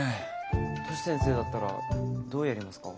トシ先生だったらどうやりますか？